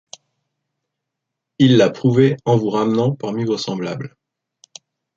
Il l’a prouvé en vous ramenant parmi vos semblables.